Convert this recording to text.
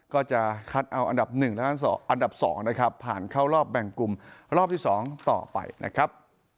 ก็จะคัดเอาอันดับ๑และอันดับ๒นะครับผ่านเข้ารอบแบ่งกลุ่มรอบที่๒ต่อไปนะครับ